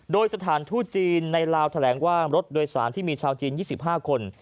โดยสถานทูตจีนในลาวแถลงว่ารถโดยสารที่มีชาวจีน๒๕คน